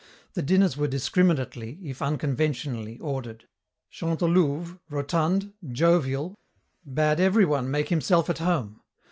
The dinners were discriminately, if unconventionally, ordered. Chantelouve, rotund, jovial, bade everyone make himself at home.